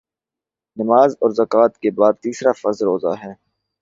نماز اور زکوٰۃ کے بعدتیسرا فرض روزہ ہے